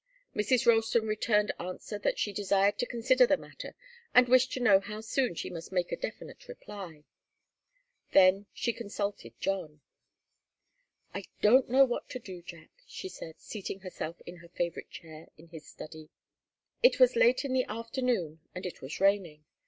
Mrs. Ralston returned answer that she desired to consider the matter and wished to know how soon she must make a definite reply. Then she consulted John. "I don't know what to do, Jack," she said, seating herself in her favourite chair in his study. It was late in the afternoon, and it was raining.